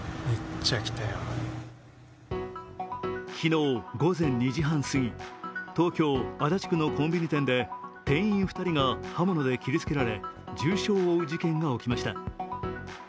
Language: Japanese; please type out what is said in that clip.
昨日午前２時半過ぎ、東京・足立区のコンビニ店で店員２人が刃物で切りつけられ重傷を負う事件が起きました。